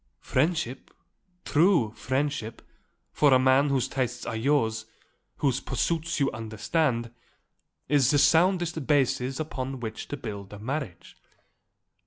Friendship, true friendship, for a man whose tastes are yours, whose pursuits you understand, is the soundest basis upon which to build a marriage."